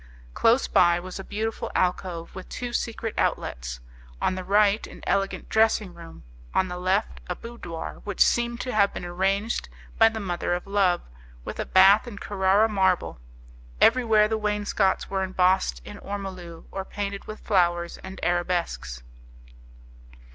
Close by was a beautiful alcove with two secret outlets; on the right, an elegant dressing room, on the left, a boudoir which seemed to have been arranged by the mother of Love, with a bath in Carrara marble. Everywhere the wainscots were embossed in ormolu or painted with flowers and arabesques.